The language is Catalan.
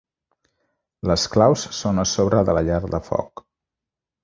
Les claus són a sobre de la llar de foc.